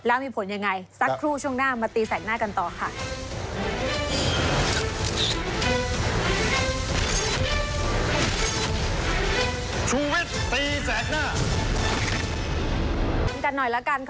แล้วมีผลยังไงสักครู่ช่วงหน้ามาตีแสกหน้ากันต่อค่ะ